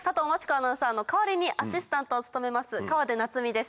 アナウンサーの代わりにアシスタントを務めます河出奈都美です